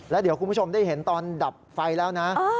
แล้วเดี๋ยวคุณผู้ชมได้เห็นตอนดับไฟแล้วนะ